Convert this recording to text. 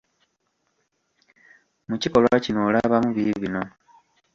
Mu kikolwa kino olabamu biibino.